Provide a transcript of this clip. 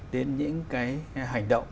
đến những cái hành động